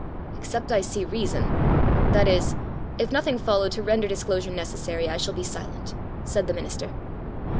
"Except I see reason that is, if nothing follow to render disclosure necessary, I shall be silent," said the minister.